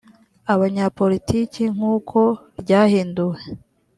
abanyapolitiki nk uko ryahinduwe